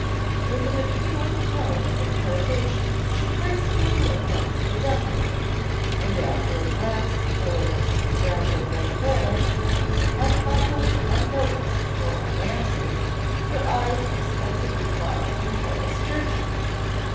With an appealing tone of interrogation she gracefully looked up to the gentlemen; and after a glance towards Granville Beauclerc, unluckily unnoticed or unanswered, her eyes expected reply from Horace Churchill.